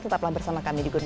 tetaplah bersama kami di good